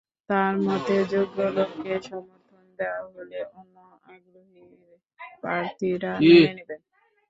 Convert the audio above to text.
তাঁর মতে, যোগ্য লোককে সমর্থন দেওয়া হলে অন্য আগ্রহী প্রার্থীরা মেনে নেবেন।